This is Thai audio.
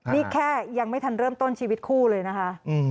นี่แค่ยังไม่ทันเริ่มต้นชีวิตคู่เลยนะคะ